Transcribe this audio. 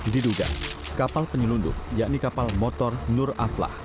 diduga kapal penyelundup yakni kapal motor nur aflah